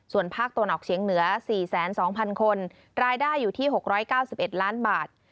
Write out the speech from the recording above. ส่วนภาคตะวันออกเฉียงเหนือ๔๒๐๐คนรายได้อยู่ที่๖๙๑ล้านบาท